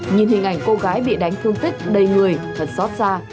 nhìn hình ảnh cô gái bị đánh thương tích đầy người thật xót xa